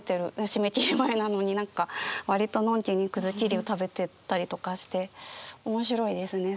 締め切り前なのに何か割とのんきにくずきりを食べてたりとかして面白いですね